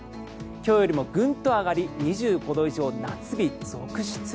今日よりもグンと上がり２５度以上、夏日続出。